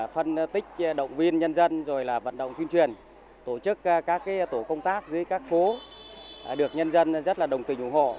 phân tích động viên nhân dân rồi là vận động tuyên truyền tổ chức các tổ công tác dưới các phố được nhân dân rất là đồng tình ủng hộ